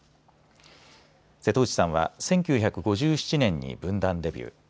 瀬戸内さんは１９５７年に文壇デビュー。